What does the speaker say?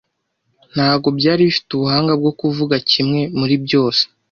Ntabwo byari bifite ubuhanga bwo kuvuga kimwe muri byose